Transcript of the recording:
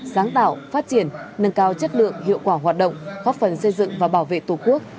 sáng tạo phát triển nâng cao chất lượng hiệu quả hoạt động góp phần xây dựng và bảo vệ tổ quốc